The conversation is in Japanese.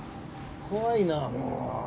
怖いなあもう。